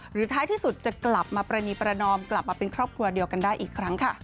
ท้ายที่สุดจะกลับมาปรณีประนอมกลับมาเป็นครอบครัวเดียวกันได้อีกครั้งค่ะ